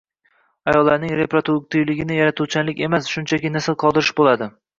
Ayollarning reproduktivligi yaratuvchanlik emas, shunchaki nasl qoldirish bo‘ldi